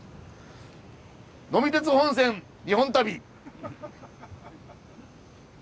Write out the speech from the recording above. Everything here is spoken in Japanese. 「呑み鉄本線・日本旅」！